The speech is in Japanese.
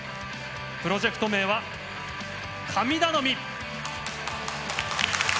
プロジェクト名は「紙頼み」。